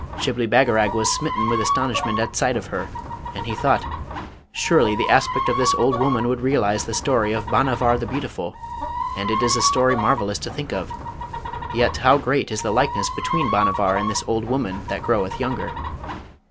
Shibli Bagarag was smitten with astonishment at sight of her, and he thought, 'Surely the aspect of this old woman would realise the story of Bhanavar the Beautiful; and it is a story marvellous to think of; yet how great is the likeness between Bhanavar and this old woman that groweth younger!'